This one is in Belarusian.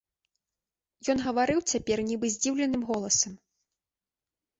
Ён гаварыў цяпер нібы здзіўленым голасам.